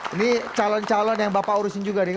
ini calon calon yang bapak urusin juga nih